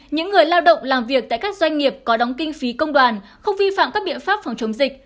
những người lao động làm việc tại các doanh nghiệp có đóng kinh phí công đoàn không vi phạm các biện pháp phòng chống dịch